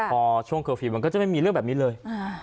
พอช่วงเคอร์ฟิลลมันก็จะไม่มีเรื่องแบบนี้เลย